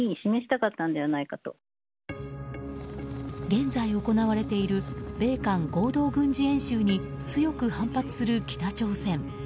現在行われている米韓合同軍事演習に強く反発する北朝鮮。